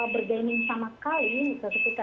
berjamin sama sekali ketika